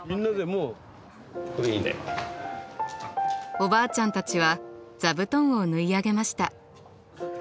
おばあちゃんたちは座布団を縫い上げました。